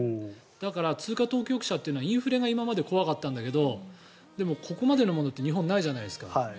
だから、通貨当局者はインフレが今まで怖かったんだけどでも、ここまでのものって日本はないじゃないですか。